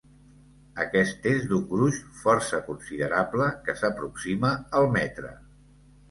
Aquest és d'un gruix força considerable que s'aproxima al metre.